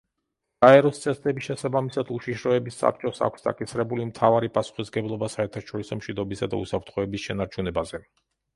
გაეროს წესდების შესაბამისად უშიშროების საბჭოს აქვს დაკისრებული მთავარი პასუხისმგებლობა საერთაშორისო მშვიდობისა და უსაფრთხოების შენარჩუნებაზე.